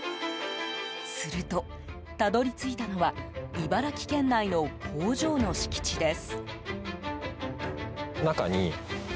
すると、たどり着いたのは茨城県内の工場の敷地です。